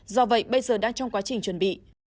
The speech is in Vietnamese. do vậy bây giờ đang trong quá trình chuẩn bị